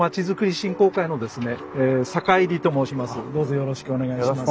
よろしくお願いします。